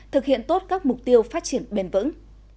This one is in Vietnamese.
thực hiện tốt các mục tiêu phát triển bền vững